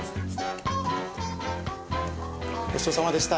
ごちそうさまでした。